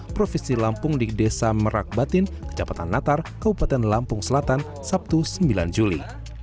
provinsi lampung di desa merak batin kecapatan natar kabupaten lampung selatan sabtu sembilan juli